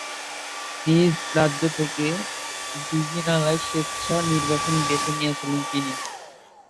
নিজ রাজ্য ছেড়ে দীঘিনালায় স্বেচ্ছা নির্বাসন বেছে নিয়েছিলেন তিনি।